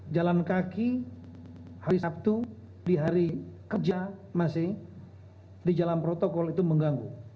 jalan kaki hari sabtu di hari kerja masih di jalan protokol itu mengganggu